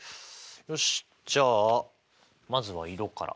よしじゃあまずは色から。